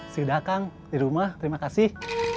sudah datang di rumah terima kasih